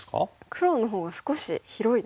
黒のほうが少し広いですね。